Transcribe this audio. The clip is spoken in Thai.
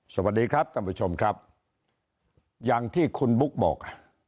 สวัสดีครับท่านผู้ชมครับอย่างที่คุณบุ๊กบอก